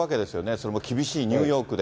それも厳しいニューヨークで。